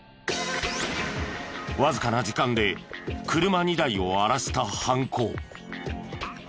わずかな時間で車２台を荒らした犯行。